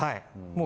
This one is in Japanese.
もう。